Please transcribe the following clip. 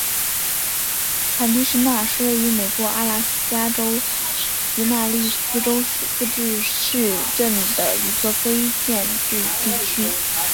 坎蒂什纳是位于美国阿拉斯加州迪纳利自治市镇的一个非建制地区。